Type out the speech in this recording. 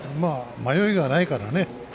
迷いがないからね。